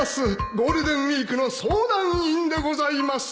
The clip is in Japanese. ゴールデンウィークの相談員でございます